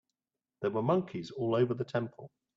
There were monkeys all over the temple.